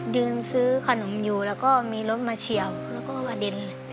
ยืนซื้อขนมอยู่แล้วก็มีรถมาเฉียวแล้วก็กระเด็น